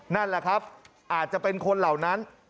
นั่นแหละครับอาจจะเป็นคนเหล่านั้น